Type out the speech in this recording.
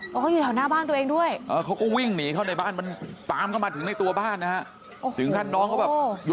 หอเขาอยู่แถวหน้าบ้านตัวเองด้วย